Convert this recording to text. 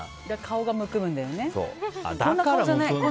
だから顔がむくむんだよね。